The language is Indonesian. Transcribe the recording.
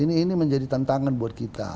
ini menjadi tantangan buat kita